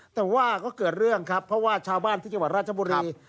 แต่ว่าก็เกิดเรื่องครับเพราะว่าชาวบ้านที่จังหวัดราชบุรี